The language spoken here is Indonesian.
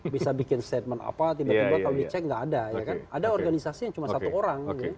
bisa bikin statement apa tiba tiba kalau dicek nggak ada ya kan ada organisasi yang cuma satu orang